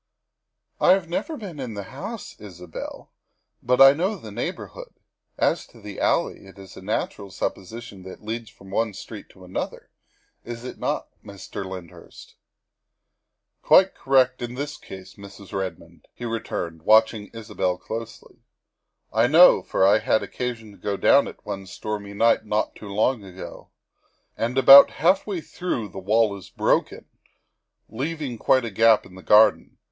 " I have never been in the house, Isabel, but I know the neighborhood. As to the alley, it is a natural suppo sition that it leads from one street to another, is it not, Mr. Lyndhurst?" " Quite correct in this case, Mrs. Redmond," he re turned, watching Isabel closely. " I know, for I had occasion to go down it one stormy night not long ago. And about half way through the wall is broken, leaving quite a gap into the garden.